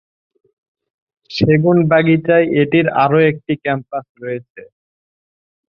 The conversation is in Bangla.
শেগুনবাগিচায় এটির আরও একটি ক্যাম্পাস রয়েছে।